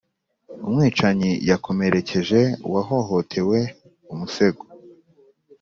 umwicanyi yakomerekeje uwahohotewe umusego.